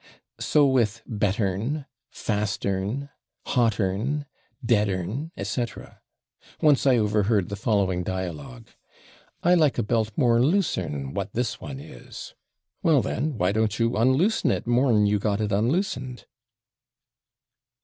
So with /better'n/, /faster'n/, /hotter'n/, /deader'n/, etc. Once I overheard the following dialogue: "I like a belt /more looser'n/ what this one is." "Well, then, why don't you unloosen it /more'n/ you got it unloosened?"